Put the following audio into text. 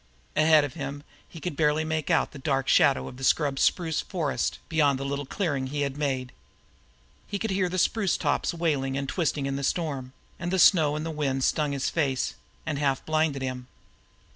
Ahead of him he could barely make out the dark shadow of the scrub spruce forest beyond the little clearing he had made. He could hear the spruce tops wailing and twisting in the storm, and the snow and wind stung his face, and half blinded him.